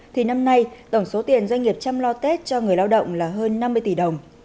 thì năm nay tổng số tiền doanh nghiệp chăm lo tết cho người lao động là hơn năm mươi tỷ đồng